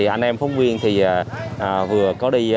anh em phóng viên thì vừa có đi